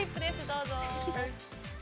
どうぞ。